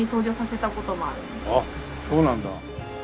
あっそうなんだ。